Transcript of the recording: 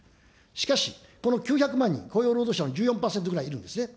しかし、この９００万人、雇用労働者の１４％ぐらいいるんですね。